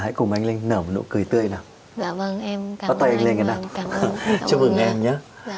hãy cùng anh lên nở một nụ cười tươi nào dạ vâng em có tay lên cái nào chúc mừng em nhé